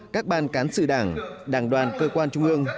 các ban cán sự đảng đảng đoàn cơ quan trung ương